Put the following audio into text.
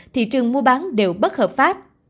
thị trường mua bán đều bất hợp pháp